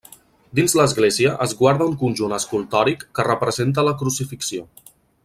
Dins l'església es guarda un conjunt escultòric que representa la crucifixió.